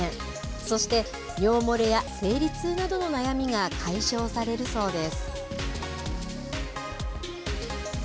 そして尿漏れや生理痛などの悩みが解消されるそうです。